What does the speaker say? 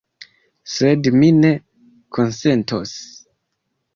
Sed mi ne konsentos.